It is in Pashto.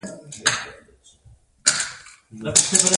ازادي راډیو د اقتصاد بدلونونه څارلي.